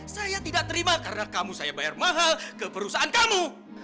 saya tidak terima karena kamu saya bayar mahal ke perusahaan kamu